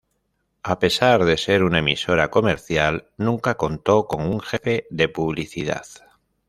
A pesar de ser una emisora comercial, nunca contó con un jefe de publicidad.